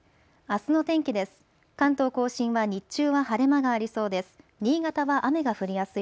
あすの天気です。